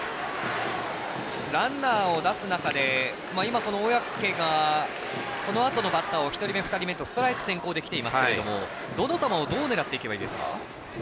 ランナーを出す中で小宅がそのあとのバッターを１人目、２人目とストライク先行できてますがどの球をどう狙っていけばいいですか。